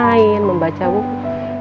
sedisikan pesan k telefon